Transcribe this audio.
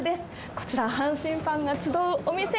こちら、阪神ファンが集うお店。